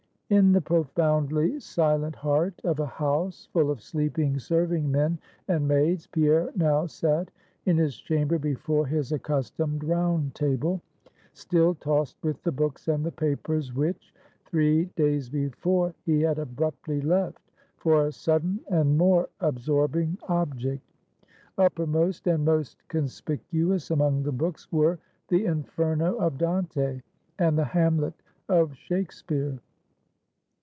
In the profoundly silent heart of a house full of sleeping serving men and maids, Pierre now sat in his chamber before his accustomed round table, still tossed with the books and the papers which, three days before, he had abruptly left, for a sudden and more absorbing object. Uppermost and most conspicuous among the books were the Inferno of Dante, and the Hamlet of Shakspeare.